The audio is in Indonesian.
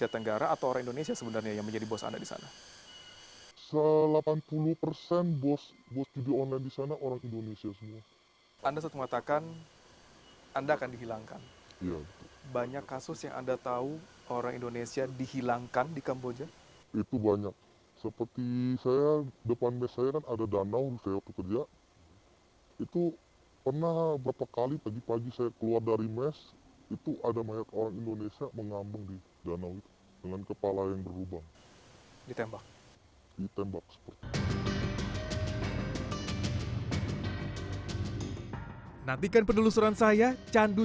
ternyata lima puluh juta itu saya habiskan